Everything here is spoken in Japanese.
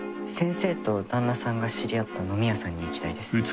先生と旦那さんが知り合った飲み屋さんに行きたいです。